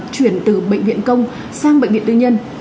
chuyển từ bệnh viện công sang bệnh viện tư nhân